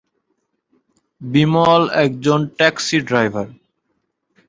বিমল একজন taxi driver.